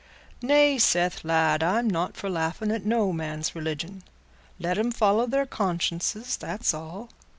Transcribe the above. "Nay, Seth, lad; I'm not for laughing at no man's religion. Let 'em follow their consciences, that's all.